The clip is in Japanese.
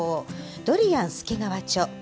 ドリアン助川著。